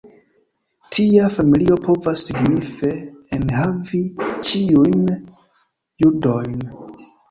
Tia familio povas signife enhavi ĉiujn judojn.